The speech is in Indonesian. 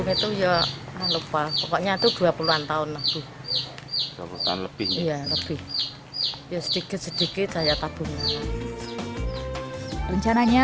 itu ya lupa pokoknya itu dua puluh an tahun lebih lebih sedikit sedikit saya tabung rencananya